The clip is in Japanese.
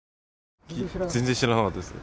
全然知らなかったです。